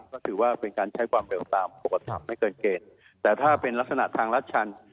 ก็ถือว่าเป็นการใช้ความเร็วตามปกติไม่เกินเกณฑ์แต่ถ้าเป็นลักษณะทางลัดชัน